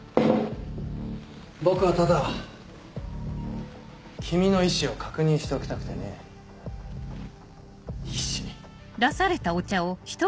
僕はただ君の意志を確認しておきたくてね。意志？